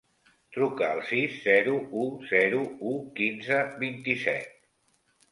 Truca al sis, zero, u, zero, u, quinze, vint-i-set.